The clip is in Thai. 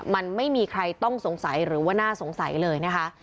มันไม่มีใครต้องสงสัยหรือว่าน่าสงสัยเลยนะคะ